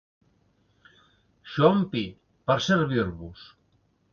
Joan Pi, per a servir-vos.